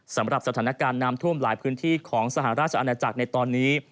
สำหรับสถานการณ์น้ำท่วมหลายพื้นที่ของสหราชอาณาจักรในตอนนี้